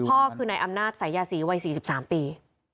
พ่อคือนายอำนาจสายยาศรีวัย๔๓ปี